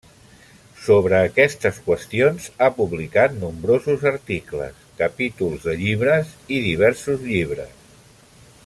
Sobre aquestes qüestions ha publicat nombrosos articles, capítols de llibres i diversos llibres.